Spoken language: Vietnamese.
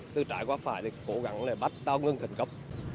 từ trái qua phải cố gắng bắt tàu ngưng khẩn cấp